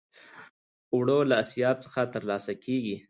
اوړه له آسیاب څخه ترلاسه کېږي